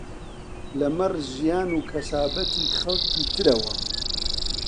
لەمەڕ ژیان و کەسابەتی خەڵکی ترەوە